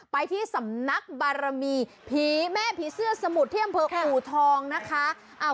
ไปที่สำนักบารมีผีแม่ผีเสื้อสมุทรที่อำเภออูทองนะคะ